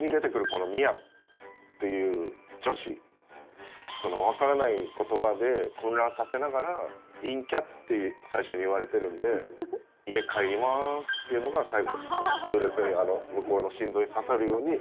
このミアっていう女子わからない言葉で混乱させながら「陰キャ」って最初に言われてるんで「家帰りまーす」っていうのが最後痛烈に向こうの心臓に刺さるように。